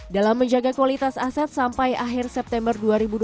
dalam menjaga kualitas aset sampai akhir september dua ribu dua puluh